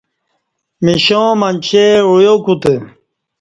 مشاں منچے اُعیاکوتہ